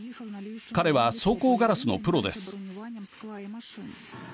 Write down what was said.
彼は装甲ガラスのプロです。